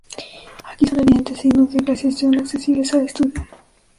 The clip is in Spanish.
Aquí son evidentes signos de glaciación accesibles al estudio.